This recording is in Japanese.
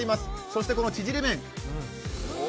そしてこの縮れ麺。